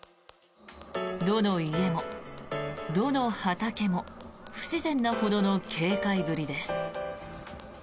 どの家も、どの畑も不自然なほどの警戒ぶりです。